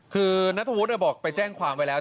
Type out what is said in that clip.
คือนัทธวุฒิบอกไปแจ้งความไว้แล้ว